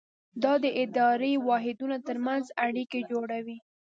دا د اداري واحدونو ترمنځ اړیکې جوړوي.